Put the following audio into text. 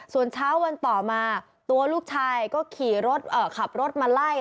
ส่วนเช้าวันต่อมาตัวลูกชายก็ขี่รถขับรถมาไล่